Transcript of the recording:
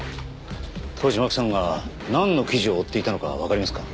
当時巻さんがなんの記事を追っていたのかわかりますか？